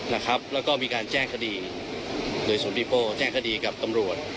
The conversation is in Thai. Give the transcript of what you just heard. นะครับแล้วก็มีการแจ้งคดีโดยศพิโป้แจ้งคดีกับตำรวจ